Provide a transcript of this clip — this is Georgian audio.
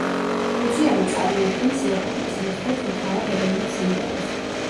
ფუძიამა წარმოადგენს იაპონიის ერთ-ერთ მთავარ ეროვნულ სიმბოლოს.